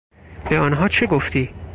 به آنها چه گفتی؟